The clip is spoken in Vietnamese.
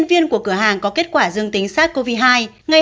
xin chào và hẹn gặp lại